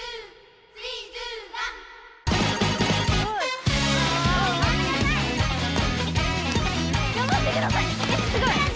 おすごい！